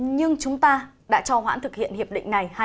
nhưng chúng ta đã cho hoãn thực sự